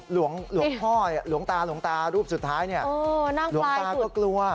หลวงตารูปสุดท้ายเนี่ยหลวงตาก็กลัว